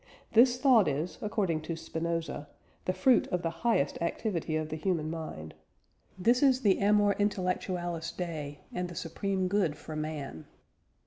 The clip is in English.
This thought is, according to Spinoza, the fruit of the highest activity of the human mind; this is the amor intellectualis dei; and the supreme good for man.